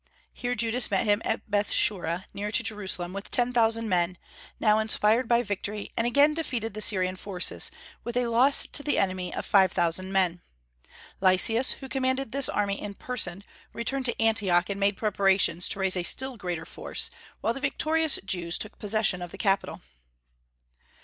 Here Judas met him at Bethsura, near to Jerusalem, with ten thousand men, now inspirited by victory, and again defeated the Syrian forces, with a loss to the enemy of five thousand men. Lysias, who commanded this army in person, returned to Antioch and made preparations to raise a still greater force, while the victorious Jews took possession of the capital.